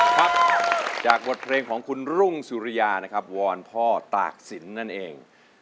ครับจากบทเพลงของคุณรุ่งสุริยานะครับวอนพ่อตากศิลป์นั่นเอง